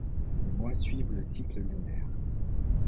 Les mois suivent le cycle lunaire.